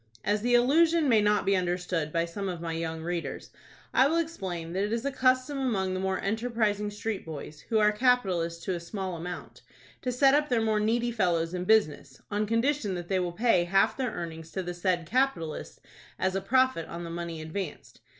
As the allusion may not be understood by some of my young readers, I will explain that it is a custom among the more enterprising street boys, who are capitalists to a small amount, to set up their more needy fellows in business, on condition that they will pay half their earnings to the said capitalists as a profit on the money advanced.